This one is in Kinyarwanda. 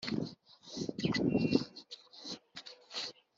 Angela yavutse ku wa cumi Nyakanga avukira mu mujyi wa Huye